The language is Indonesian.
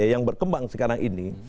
yang berkembang sekarang ini